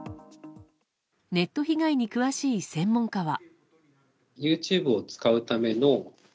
ネット被害に詳しい専門家は。